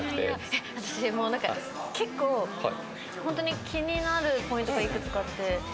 えっ私でもなんか結構本当に気になるポイントがいくつかあって。